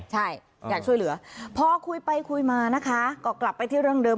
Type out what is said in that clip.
ใช่อยากช่วยเหลือพอคุยไปคุยมานะคะก็กลับไปที่เรื่องเดิม